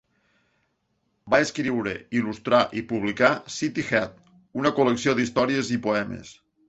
Va escriure, il·lustrar i publicar City Heat, una col·lecció d'històries i poemes.